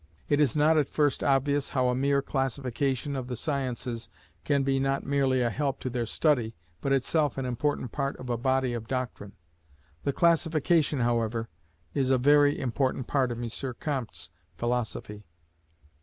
It is not at first obvious how a mere classification of the sciences can be not merely a help to their study, but itself an important part of a body of doctrine; the classification, however, is a very important part of M. Comte's philosophy.